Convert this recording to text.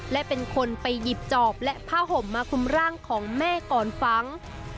และเป็นคนไปหยิบจอบและผ้าห่มมาคุมร่างของแม่ก่อนฝัง